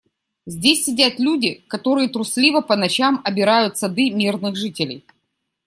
Здесь сидят люди, которые трусливо по ночам обирают сады мирных жителей.